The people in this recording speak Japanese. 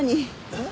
えっ？